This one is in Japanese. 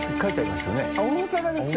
茲諭大阪ですか？